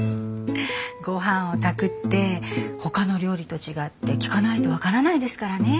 ごはんを炊くってほかの料理と違って聞かないと分からないですからね。